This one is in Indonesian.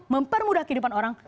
mempermudah kehidupan orang